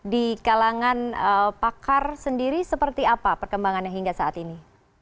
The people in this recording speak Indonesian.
di kalangan pakar sendiri seperti apa perkembangannya hingga saat ini